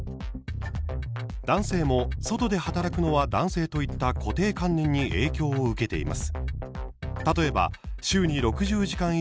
男性も、外で働くのは男性といった固定観念に影響を受けています。